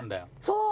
そう。